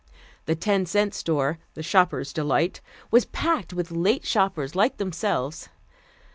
The "ten cent store," the shoppers' delight, was packed with late shoppers like themselves.